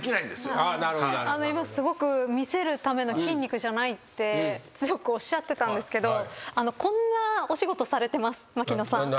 今すごく見せるための筋肉じゃないって強くおっしゃってたんですけどこんなお仕事されてます槙野さん。